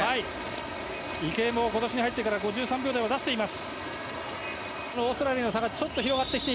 池江も今年に入って５３秒台を出しています。